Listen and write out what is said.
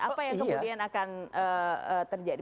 apa yang kemudian akan terjadi